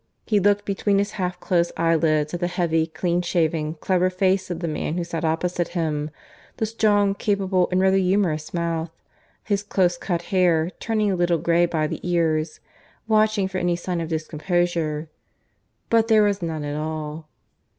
He looked between his half closed eyelids at the heavy, clean shaven, clever face of the man who sat opposite him, the strong, capable and rather humorous mouth, his close cut hair turning a little grey by the ears, watching for any sign of discomposure. But there was none at all.